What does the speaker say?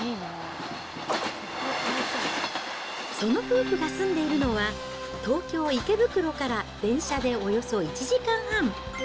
その夫婦が住んでいるのは、東京・池袋から電車でおよそ１時間半。